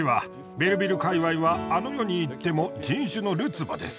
ベルヴィル界わいはあの世にいっても人種のるつぼです。